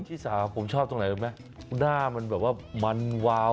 ที่สาผมชอบตรงไหนรู้ไหมหน้ามันแบบว่ามันวาว